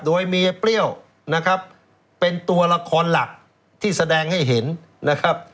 โดยเมียเปรี้ยวนะครับเป็นตัวละครหลักที่แสดงให้เห็นนะครับ